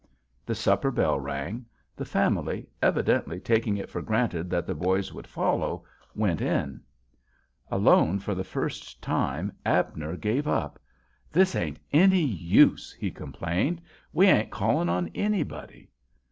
The supper bell rang. The family, evidently taking it for granted that the boys would follow, went in. Alone for the first time, Abner gave up. "This ain't any use," he complained. "We ain't calling on anybody."